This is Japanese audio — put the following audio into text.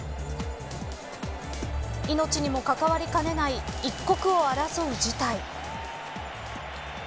命にも関わりかねない一刻を争う事態。